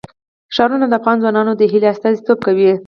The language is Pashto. ښارونه د افغان ځوانانو د هیلو استازیتوب کوي.